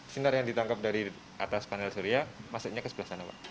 sinar yang ditangkap dari atas panel surya masuknya ke sebelah sana pak